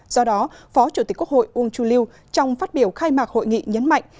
do đó phó chủ tịch quốc hội uông chu lưu trong phát biểu khai mạc hội nghị nhấn mạnh